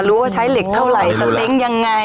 รู้ว่าใช้เหล็กเท่าไหร่สันเต้งยังไง